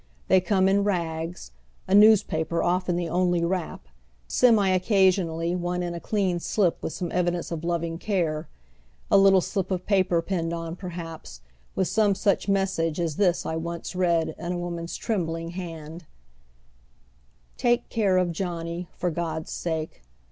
They come in rags, a news paper often the only wrap, semi occasionally one in a clean slip with some evidence of loving care ; a little slip of paper piimed on, perhaps, with some such message as this I once read, in a woman's trembling hand :" Take care of Johnny, for God's sake.